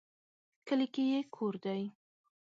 کلي کې یې کور دی